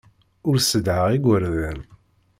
Ur ssedhaɣ igerdan.